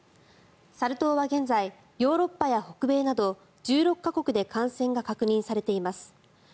サル痘は現在ヨーロッパや北米など１６か国で感染が確認されています。